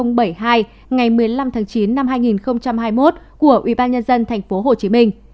ngày một mươi năm chín hai nghìn hai mươi một của ubnd tp hcm